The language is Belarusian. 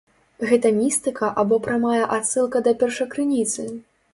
Гэта містыка або прамая адсылка да першакрыніцы?